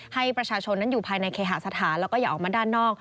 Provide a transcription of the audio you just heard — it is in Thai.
ให้ประชาชนนั้นอยู่ภายในเคหาสถานแล้วก็อย่าออกมาด้านนอก